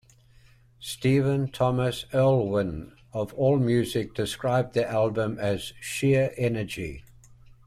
Stephen Thomas Erlewine of AllMusic described the album as "sheer energy".